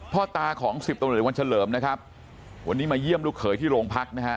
พ่อตาของ๑๐ตนวันเฉลิมวันนี้มาเยี่ยมลูกเขยที่โรงพักษณ์